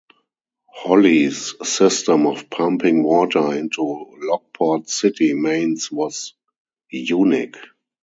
Holly's system of pumping water into Lockport's city mains was unique.